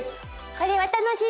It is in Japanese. これは楽しみ！